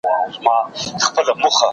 متوازن خواړه وخوره